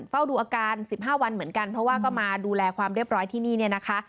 เฝ้าดูอาการ๑๕วันเหมือนกันเพราะว่าก็มาดูแลความเรียบร้อยที่นี่เนี่ยนะคะ